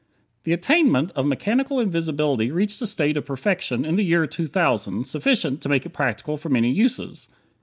The attainment of mechanical invisibility reached a state of perfection in the year 2000 sufficient to make it practical for many uses.